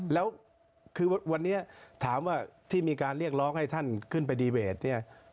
แล้วคือวันนี้ถามว่าที่มีการเรียกร้องให้ท่านขึ้นไปดีเวทเนี่ย